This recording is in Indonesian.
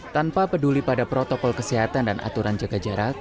tanpa peduli pada protokol kesehatan dan aturan jaga jarak